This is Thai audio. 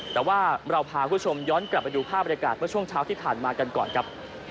แต่ว่าเราพาคุณผู้ชมย้อนกลับไปดูภาพบรรยากาศเมื่อช่วงเช้าที่ผ่านมากันก่อนครับ